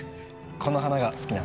この花が好きなんで。